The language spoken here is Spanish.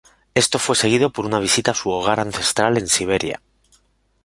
Esto fue seguido por una visita a su hogar ancestral en Siberia.